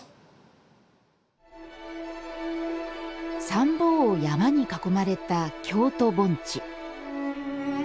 三方を山に囲まれた京都盆地。